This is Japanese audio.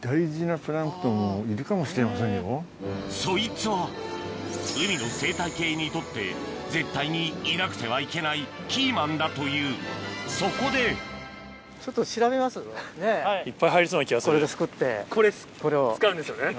そいつは海の生態系にとって絶対にいなくてはいけないキーマンだというそこでこれ使うんですよね。